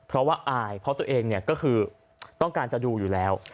เพราะว่าอายเพราะตัวเองเนี่ยก็คือต้องการจะดูอยู่แล้ว